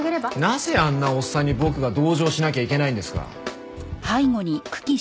なぜあんなおっさんに僕が同情しなきゃいけないんですか。